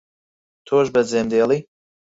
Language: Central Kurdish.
تۆش بەجێم دێڵی